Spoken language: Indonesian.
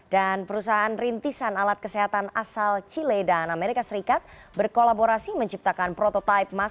dan perusahaan rintisan alat kesehatan asal chile dan amerika serikat berkolaborasi menciptakan prototipe masyarakat